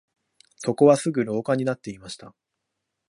そこはすぐ廊下になっていました